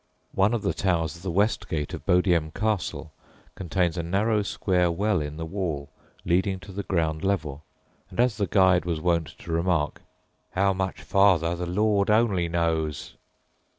One of the towers of the west gate of Bodiam Castle contains a narrow square well in the wall leading to the ground level, and, as the guide was wont to remark, "how much farther the Lord only knows"!